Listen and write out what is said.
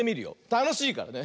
たのしいからね。